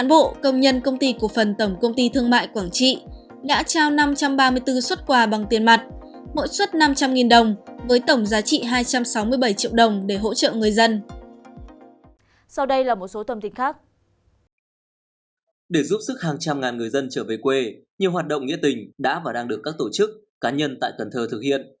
để giúp sức hàng trăm ngàn người dân trở về quê nhiều hoạt động nghĩa tình đã và đang được các tổ chức cá nhân tại cần thơ thực hiện